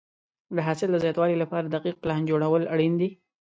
د حاصل د زیاتوالي لپاره دقیق پلان جوړول اړین دي.